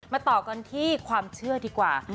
ต่อกันที่ความเชื่อดีกว่า